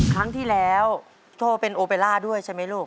ครั้งที่แล้วโจเป็นโอเบล่าด้วยใช่ไหมลูก